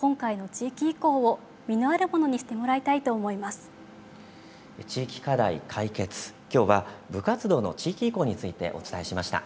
地域課題カイケツ、きょうは部活動の地域移行についてお伝えしました。